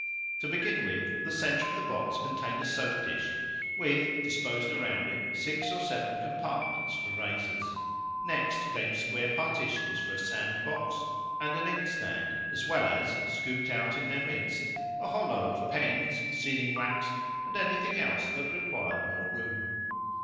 To begin with, the centre of the box contained a soap dish, with, disposed around it, six or seven compartments for razors. Next came square partitions for a sand box and an inkstand, as well as (scooped out in their midst) a hollow of pens, sealing wax, and anything else that required more room.